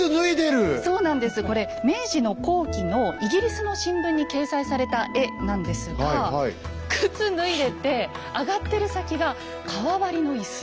これ明治の後期のイギリスの新聞に掲載された絵なんですが靴脱いでて上がってる先が革張りの椅子。